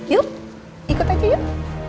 yuk ikut aja yuk